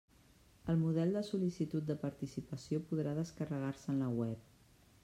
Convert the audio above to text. El model de sol·licitud de participació podrà descarregar-se en la web.